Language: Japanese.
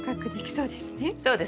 そうですね。